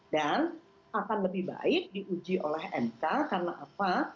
dan akan lebih baik diuji oleh mk karena apa